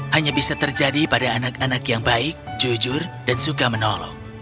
hanya bisa terjadi pada anak anak yang baik jujur dan suka menolong